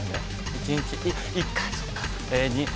１日１回そっか。